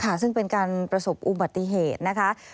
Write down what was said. ซึ่งเป็นการประสบอุบัติเหตุนะคะ